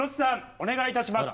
お願いいたします。